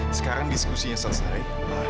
sekarang diskusinya selesai